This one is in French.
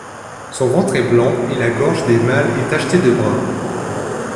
Son ventre est blanc et la gorge des mâles est tachetée de brun.